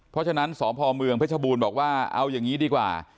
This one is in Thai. เพราะฉะนั้นสพเมืองเพชรบูรณ์บอกว่าเอาอย่างนี้ดีกว่า